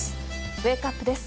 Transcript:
ウェークアップです。